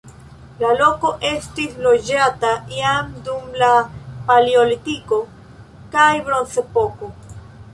La loko estis loĝata jam dum la paleolitiko kaj bronzepoko.